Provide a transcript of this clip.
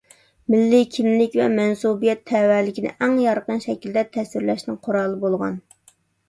مىللىي كىملىك ۋە مەنسۇبىيەت تەۋەلىكىنى ئەڭ يارقىن شەكىلدە تەسۋىرلەشنىڭ قورالى بولغان.